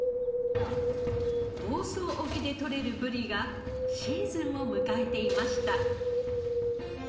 房総沖で取れるブリがシーズンを迎えていました。